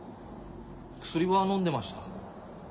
薬はのんでました。